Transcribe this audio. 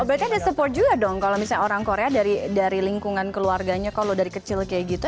berarti ada support juga dong kalau misalnya orang korea dari lingkungan keluarganya kalau dari kecil kayak gitu